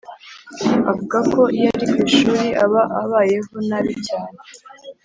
avuga ko iyo ari kwishuri aba abayeho nabi cyane